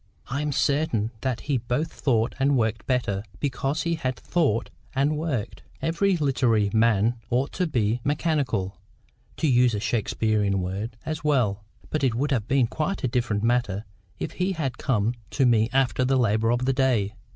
I am certain that he both thought and worked better, because he both thought and worked. Every literary man ought to be MECHANICAL (to use a Shakespearean word) as well. But it would have been quite a different matter, if he had come to me after the labour of the day.